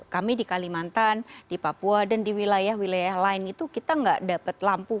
kami di kalimantan di papua dan di wilayah wilayah lain itu kita nggak dapat lampu